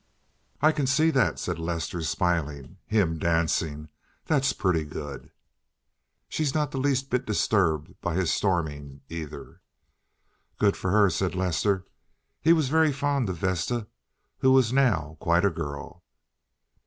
"I can see that," said Lester, smiling. "Him dancing! That's pretty good!" "She's not the least bit disturbed by his storming, either." "Good for her," said Lester. He was very fond of Vesta, who was now quite a girl.